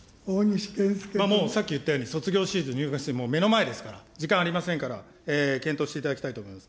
もう、さっき言ったように、卒業シーズン、入学シーズン、目の前ですから、時間ありませんから、検討していただきたいと思います。